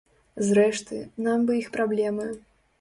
Зрэшты, нам бы іх праблемы.